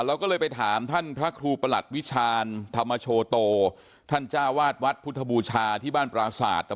เราก็เลยไปถามท่านพระครูประหลัดวิชาญธรรมโชโตท่านจ้าวาดวัดพุทธบูชาที่บ้านปราศาสตร์